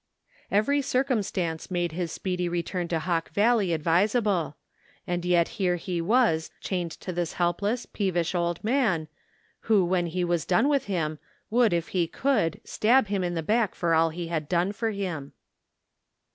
Every circumstance made his speedy return to Hawk Valley advisable, and yet here he was chained to this helpless, peevish old man, who when he was done with him, would, if he could, stab him in the back for all he had done for him.